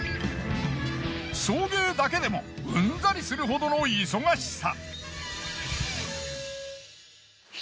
送迎だけでもうんざりするほどの忙しさ。